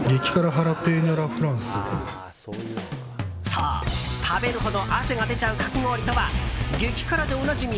そう、食べるほど汗が出ちゃうかき氷とは激辛でおなじみ